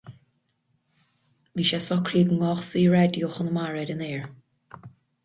Bhí sé socraithe go rachadh Saor-Raidió Chonamara ar an aer.